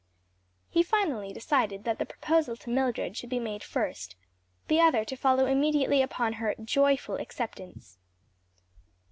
He finally decided that the proposal to Mildred should be made first, the other to follow immediately upon her joyful acceptance.